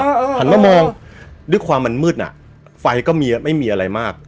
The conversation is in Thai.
หันมามองด้วยความมันมืดอ่ะไฟก็มีไม่มีอะไรมาก